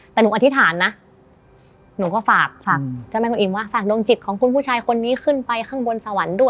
แต่หนูอธิษฐานนะหนูก็ฝากฝากเจ้าแม่คุณอิมว่าฝากดวงจิตของคุณผู้ชายคนนี้ขึ้นไปข้างบนสวรรค์ด้วย